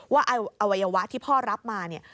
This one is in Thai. ว่าอวัยวะที่พ่อรับมาเนี่ย